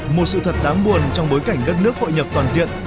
một sự thật đáng buồn trong bối cảnh đất nước hội nhập toàn diện